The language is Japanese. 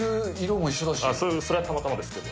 これはたまたまですけど。